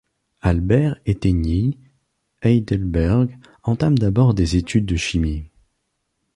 Albert Hetényi Heidelberg entame d'abord des études de chimie.